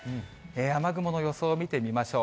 雨雲の予想を見てみましょう。